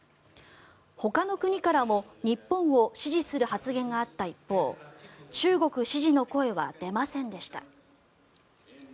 ほかの国からも日本を支持する発言があった一方中国支持の声は出ませんでした。